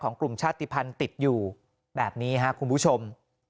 กลุ่มชาติภัณฑ์ติดอยู่แบบนี้ครับคุณผู้ชม